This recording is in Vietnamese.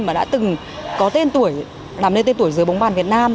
mà đã từng có tên tuổi làm nên tên tuổi giữa bóng bản việt nam